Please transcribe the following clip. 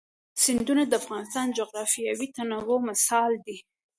سیندونه د افغانستان د جغرافیوي تنوع مثال دی.